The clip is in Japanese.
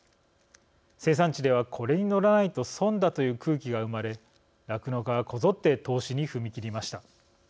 生産地ではこれに乗らないと損だ、という空気が生まれ酪農家はこぞって投資に踏み切りました。